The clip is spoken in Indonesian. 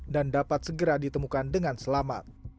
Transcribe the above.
dan dapat segera ditemukan dengan selamat